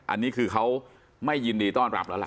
อันนี้คือเขาไม่ยินดีต้อนรับแล้วล่ะ